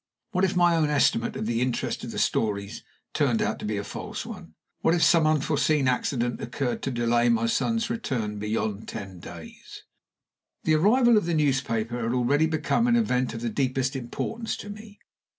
What if my own estimate of the interest of the stories turned out to be a false one? What if some unforeseen accident occurred to delay my son's return beyond ten days? The arrival of the newspaper had already become an event of the deepest importance to me.